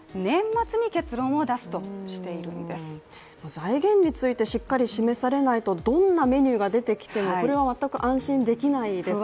財源についてしっかり示されないと、どんなメニューが出てきてもこれは全く安心できないですよね。